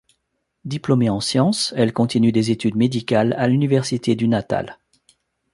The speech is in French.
Diplômée en science, elle continue des études médicales à l'université du Natal.